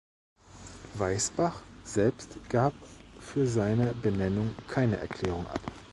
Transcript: Weisbach selbst gab für seine Benennung keine Erklärung ab.